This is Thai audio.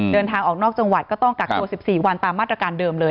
เดินทางออกนอกจังหวัดก็ต้องกักตัว๑๔วันตามมาตรการเดิมเลย